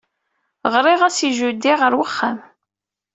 Ɣriɣ-as i Judy ɣer wexxam.